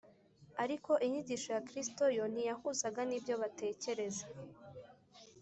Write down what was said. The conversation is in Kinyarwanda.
. Ariko inyigisho ya Kristo yo ntiyahuzaga n’ibyo batekereza